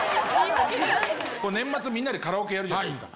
年末みんなでカラオケやるじゃないですか。